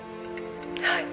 「はい」